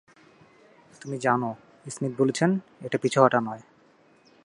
তুমি জানো, স্মিথ বলেছেন এটা পিছু হটা নয়।